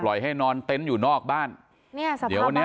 ปล่อยให้นอนเต็นต์อยู่นอกบ้านเนี่ยสภาบ้านเดี๋ยวเนี่ย